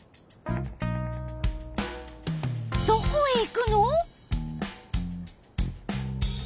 どこへ行くの？